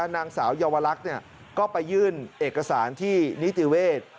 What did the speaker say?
นางสาวเยาวลักษณ์ก็ไปยื่นเอกสารที่นิติเวศ